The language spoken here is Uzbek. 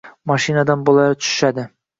Mashinadan bolalar tushishadi.